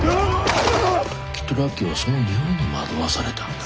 きっとラッキーはその匂いに惑わされたんだ。